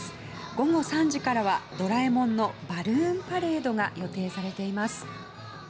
午後３時からは、ドラえもんのバルーンパレードが予定されています。